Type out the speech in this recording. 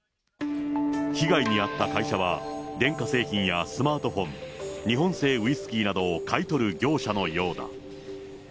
被害に遭った会社は、電化製品やスマートフォン、日本製ウイスキーなどを買い取る業者のようだ。